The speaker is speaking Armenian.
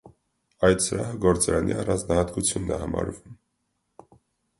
Այդ սրահը գործարանի առանձնահատկությունն է համարվում։